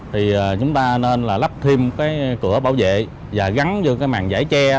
thì chúng ta nên là lắp thêm cái cửa bảo vệ và gắn vô cái màn giải che